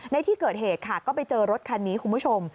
ในที่เกิดเหตุค่ะก็ไปเจอรถคันนี้คุณผู้ชม